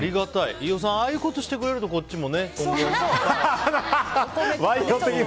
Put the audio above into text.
飯尾さんああいうことしてくれるとお米とかね。